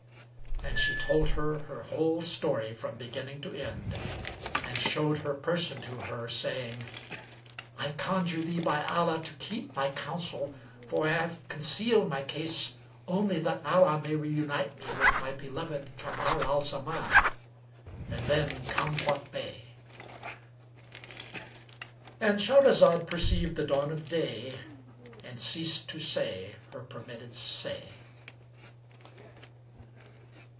And she told her her whole story from beginning to end and showed her person to her, saying, "I conjure thee by Allah to keep my counsel, for I have concealed my case only that Allah may reunite me with my beloved Kamar al Zaman and then come what may."—And Shahrazad perceived the dawn of day and ceased to say her permitted say.